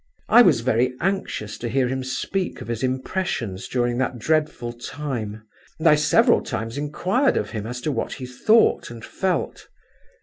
I was very anxious to hear him speak of his impressions during that dreadful time, and I several times inquired of him as to what he thought and felt.